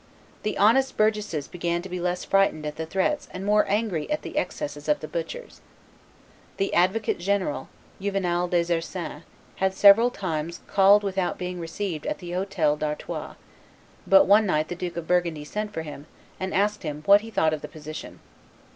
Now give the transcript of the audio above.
The honest burgesses began to be less frightened at the threats and more angry at the excesses of the butchers. The advocate general, Juvenal des Ursins, had several times called without being received at the Hotel d'Artois, but one night the Duke of Burgundy sent for him, and asked him what he thought of the position.